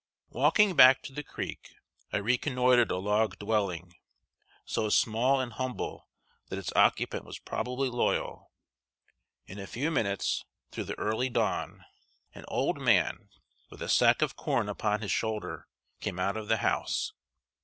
] Walking back to the creek, I reconnoitered a log dwelling, so small and humble that its occupant was probably loyal. In a few minutes, through the early dawn, an old man, with a sack of corn upon his shoulder, came out of the house.